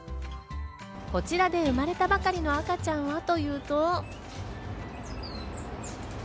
こちらで生まれたばかりの赤ちゃんはというと。